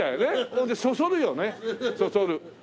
ほんでそそるよねそそる。